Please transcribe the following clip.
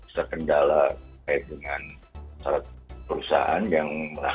terkendala kait dengan perusahaan yang berangkat